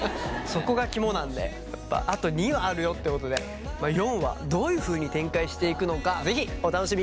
そこが肝なんでやっぱあと２話あるよってことで４話どういうふうに展開していくのか是非お楽しみに。